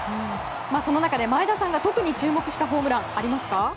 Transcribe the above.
その中で、前田さんが特に注目したホームランはありますか？